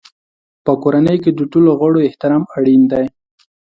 په کورنۍ کې د ټولو غړو احترام اړین دی.